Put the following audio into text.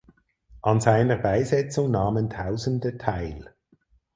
An seiner Beisetzung nahmen tausende teil.